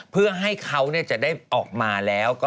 เพื่อให้เขาจะได้ออกมาแล้ว